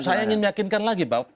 saya ingin meyakinkan lagi bahwa